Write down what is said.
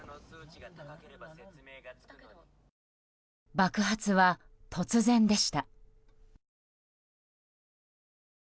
爆発は突然でした。